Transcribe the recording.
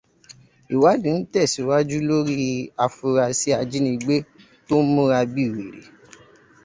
Ìwádìí ń tèsíwájú lórí afurasí ajínigbé tó n múra bí wèrè.